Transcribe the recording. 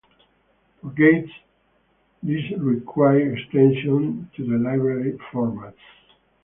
For gates, this requires extensions to the library formats.